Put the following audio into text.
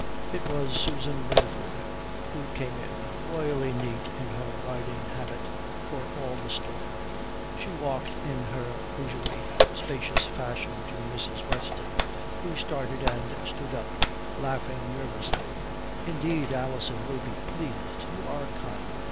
It was Susan Burford who came in, royally neat in her riding habit, for all the storm. She walked in her leisurely, spacious fashion to Mrs. Weston, who started and stood up, laughing nervously. "Indeed Alison will be pleased. You are kind.